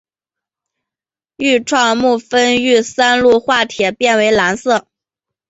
愈创木酚遇三氯化铁变为蓝色。